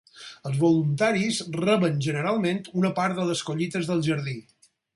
Els voluntaris reben generalment una part de les collites del jardí.